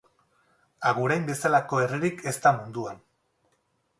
Agurain bezalako herririk ez da munduan.